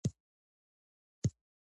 دا سند تر زاړه ښه دی.